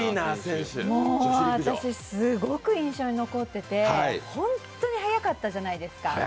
もう私、すごく印象に残ってて本当に速かったじゃないですか。